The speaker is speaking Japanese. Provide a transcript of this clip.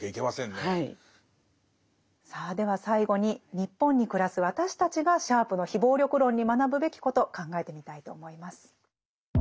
さあでは最後に日本に暮らす私たちがシャープの非暴力論に学ぶべきこと考えてみたいと思います。